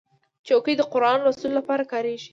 چوکۍ د قرآن لوستلو لپاره کارېږي.